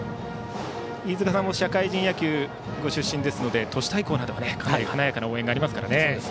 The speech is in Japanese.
飯塚さんも社会人野球ご出身ですので都市対抗などはかなり華やかな応援がありますからね。